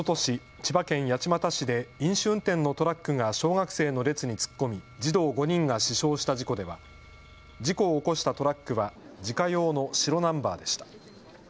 千葉県八街市で飲酒運転のトラックが小学生の列に突っ込み児童５人が死傷した事故では事故を起こしたトラックは自家用の白ナンバーでした。